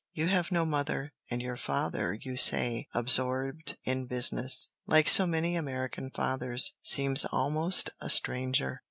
You have no mother, and your father, you say, absorbed in business, like so many American fathers, seems almost a stranger.